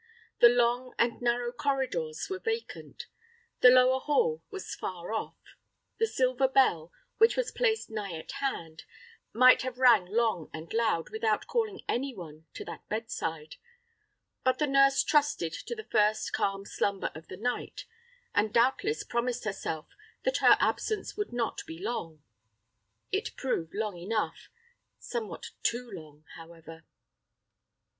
The long and narrow corridors were vacant; the lower hall was far off. The silver bell, which was placed nigh at hand, might have rang long and loud without calling any one to that bedside; but the nurse trusted to the first calm slumber of the night, and doubtless promised herself that her absence would not be long. It proved long enough somewhat too long, however.